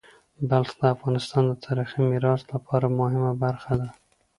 بلخ د افغانستان د تاریخی میراث لپاره مهمه برخه ده.